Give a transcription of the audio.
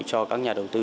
cho các nhà đầu tư